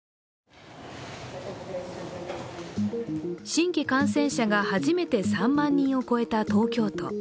新規感染者が初めて３万人を超えた東京都。